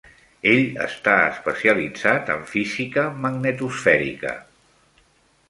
Ell està especialitzat en física magnetosfèrica.